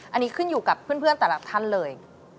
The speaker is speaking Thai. อันนี้ขึ้นอยู่กับเพื่อนแต่ละท่านเลย